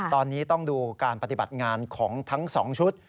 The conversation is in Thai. ตอนนี้ต้องดูการปฏิบัติงานของทั้ง๒ชุด